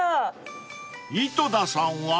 ［井戸田さんは？］